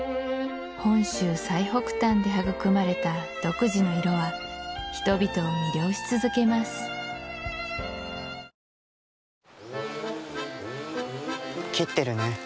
本州最北端で育まれた独自の色は人々を魅了し続けます頭イタッ